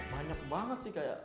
banyak banget sih kak